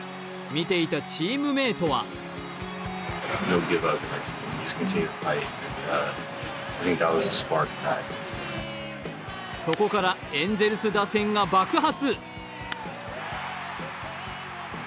見ていたチームメートはそこからエンゼルス打線が爆発。